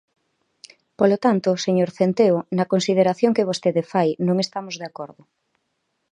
Polo tanto, señor Centeo, na consideración que vostede fai non estamos de acordo.